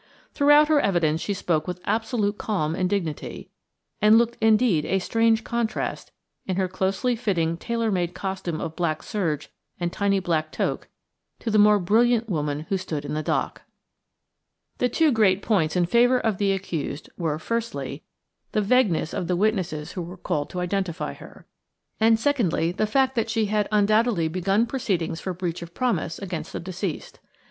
Throughout her evidence she spoke with absolute calm and dignity, and looked indeed a strange contrast, in her closely fitting tailor made costume of black serge and tiny black toque, to the more brilliant woman who stood in the dock. The two great points in favour of the accused were, firstly, the vagueness of the witnesses who were called to identify her, and, secondly, the fact that she had undoubtedly begun proceedings for breach of promise against the deceased.